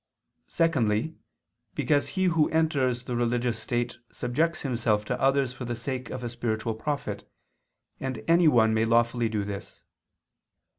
Secondly, because he who enters the religious state subjects himself to others for the sake of a spiritual profit, and anyone may lawfully do this.